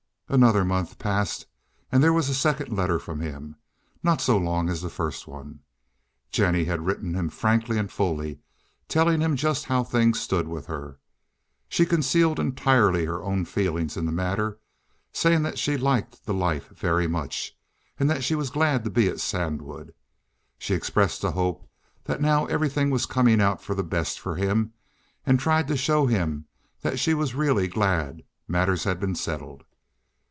Another month passed, and then there was a second letter from him, not so long as the first one. Jennie had written him frankly and fully, telling him just how things stood with her. She concealed entirely her own feelings in the matter, saying that she liked the life very much, and that she was glad to be at Sandwood. She expressed the hope that now everything was coming out for the best for him, and tried to show him that she was really glad matters had been settled.